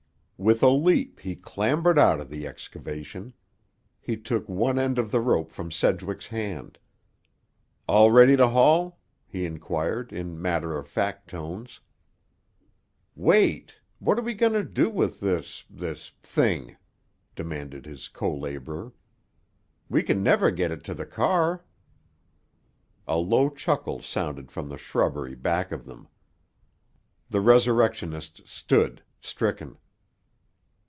With a leap he clambered out of the excavation. He took one end of the rope from Sedgwick's hand. "All ready to haul?" he inquired in matter of fact tones. "Wait. What are we going to do with this—this thing?" demanded his co laborer. "We can never get it to the car." A low chuckle sounded from the shrubbery back of them. The resurrectionists stood, stricken.